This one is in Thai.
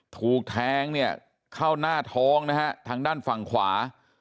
ถูกแทงเนี่ยเข้าหน้าท้องนะฮะทางด้านฝั่งขวา